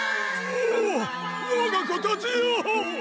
おおわがこたちよ！